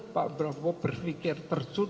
pak parbo berfikir terjun